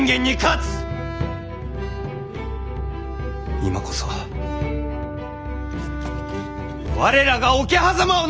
今こそ我らが桶狭間をなす時ぞ！